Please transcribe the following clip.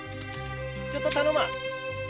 ちょいと頼ま。